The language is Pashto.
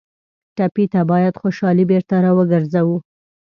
ټپي ته باید خوشالي بېرته راوګرځوو.